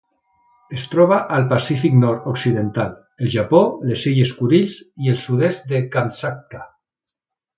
Es troba al Pacífic nord-occidental: el Japó, les illes Kurils i el sud-est de Kamtxatka.